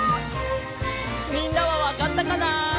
みんなはわかったかな？